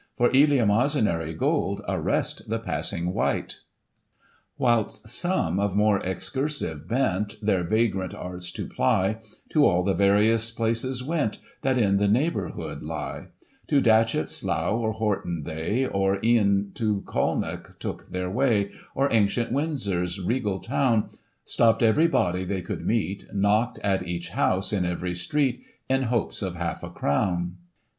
For eleemosynary gold, Arrest the passing wight. Whilst some, of more excursive bent, Their vagrant arts to ply, To all the various places went, That in the neighbourhood lie ; To Datchet, Slough, or Horton they, Or e'en to Colnbrook, took their way, Or ancient Windsor's regal town ; Stopp'd every body they could meet, Knocked at each house, in every street, In hopes of half a crown.